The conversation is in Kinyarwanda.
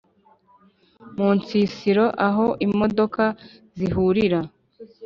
munsisiro aho imodoka zihurira